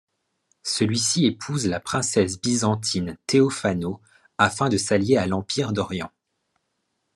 Celui-ci épouse la princesse byzantine Théophano, afin de s'allier à l'Empire d'Orient.